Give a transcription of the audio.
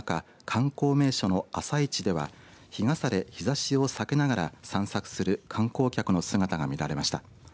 観光名所の朝市では日傘で日ざしを避けながら散策する観光客の姿が見られました。